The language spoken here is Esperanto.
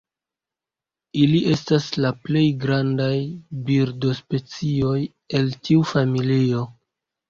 Ili estas la plej grandaj birdospecioj el tiu familio.